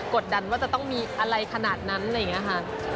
ดดันว่าจะต้องมีอะไรขนาดนั้นอะไรอย่างนี้ค่ะ